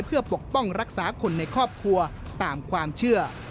เพื่อปกป้องรักษาคนในครอบครัวตามความเชื่อ